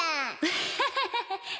アハハハハ！